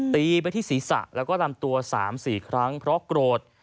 ตีไปที่ศีรษะแล้วก็ลำตัว๓๔ครั้งเพราะโกรธ